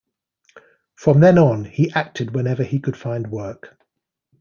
From then on he acted whenever he could find work.